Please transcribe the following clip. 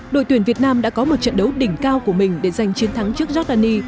đội tuyển việt nam đã có một trận đấu đỉnh cao của mình để giành chiến thắng trước giordani